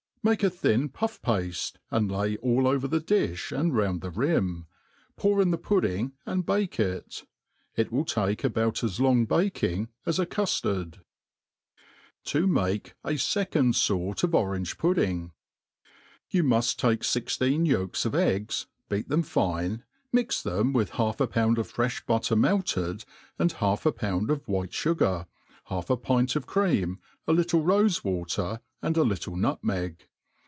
Make a thin puff pafte, and lay all over the difh and round the rim, pour in the pudding and bake it* It will take about as long jbaking as a cuftard, "^' Tp maie a fecmi Sort of (f range Pudding, YOU muft take fifteen yolks of eggs, beat them fine, mix' jtbcm with half a pound of freih butter melted, and half a pound of white fugar^ half a pint of cream, a little rofe waccr, and a little nutmeg.